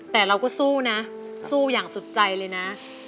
แต่เราก็สู้นะสู้อย่างสุดใจเลยนะ